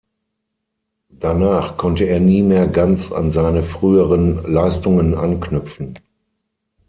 Danach konnte er nie mehr ganz an seine früheren Leistungen anknüpfen.